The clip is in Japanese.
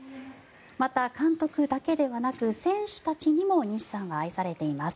また、監督だけではなく選手たちにも西さんは愛されています。